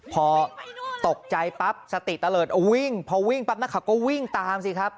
พอตกใจปั๊บสติตะเลิศวิ่งพอวิ่งปั๊บนักข่าวก็วิ่งตามสิครับ